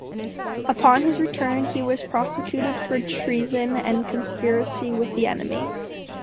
Upon his return, he was prosecuted for treason and conspiracy with the enemy.